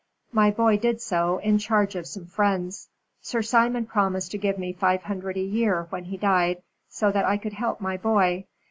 My boy did so, in charge of some friends. Sir Simon promised to give me five hundred a year when he died, so that I could help my boy.